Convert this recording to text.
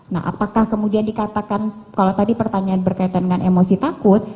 nah apakah kemudian dikatakan kalau tadi pertanyaan berkaitan dengan emosi takut